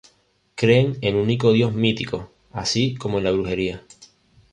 Creen en un único dios mítico así como en la brujería.